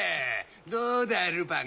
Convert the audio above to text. どうだルパン